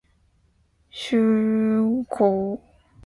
跨境电商零售出口和企业对企业出口清单